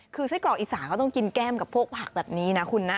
คือไส้กรอกอีสานก็ต้องกินแก้มกับพวกผักแบบนี้นะคุณนะ